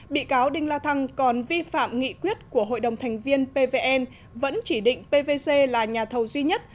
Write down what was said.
bị cáo đinh la thăng còn vi phạm nghị quyết của hội đồng thành viên pvn vẫn chỉ định pvc là nhà thầu duy nhất